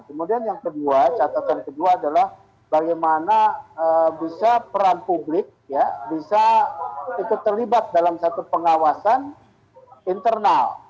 kemudian yang kedua catatan kedua adalah bagaimana bisa peran publik bisa ikut terlibat dalam satu pengawasan internal